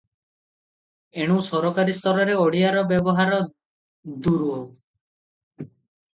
ଏଣୁ ସରକାରୀ ସ୍ତରରେ ଓଡ଼ିଆର ବ୍ୟବହାର ଦୂରୁହ ।